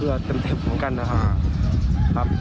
เต็มเหมือนกันนะครับ